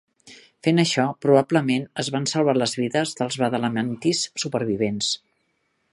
Fent això, probablement es van salvar les vides dels Badalamentis supervivents.